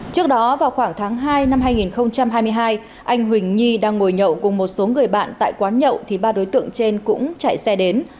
trước đó vào khoảng tháng hai năm hai nghìn hai mươi hai anh huỳnh nhi đang ngồi nhậu cùng một số người bạn tại quán nhậu thì ba đối tượng trên cũng chạy xe đến